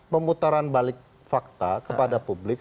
pemutaran balik fakta kepada publik